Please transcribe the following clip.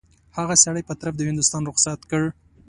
هغه سړی یې په طرف د هندوستان رخصت کړ.